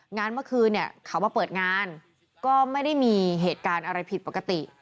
งานเมื่อคืนเนี่ยเขามาเปิดงานก็ไม่ได้มีเหตุการณ์อะไรผิดปกติ